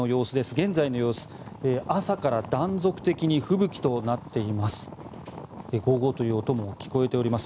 現在の様子、朝から断続的に吹雪となっています。